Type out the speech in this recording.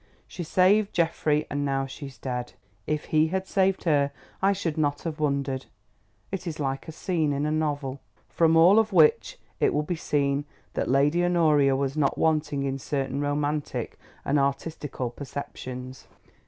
She saved Geoffrey and now she's dead. If he had saved her I should not have wondered. It is like a scene in a novel." From all of which it will be seen that Lady Honoria was not wanting in certain romantic and artistical perceptions.